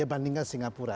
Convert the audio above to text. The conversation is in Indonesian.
saya ingin mengatakan bahwa